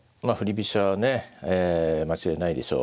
飛車ね間違いないでしょう。